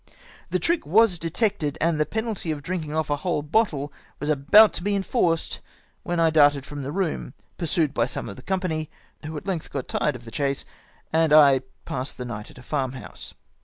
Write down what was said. The trick was detected, and the penalty of drinking off a whole bottle was about to be enforced when I darted fi'om the room, pursued by some of the company, who at length got tux^d of the chase, and I passed the night at a farm house.